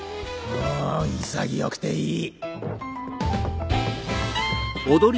うん潔くていい！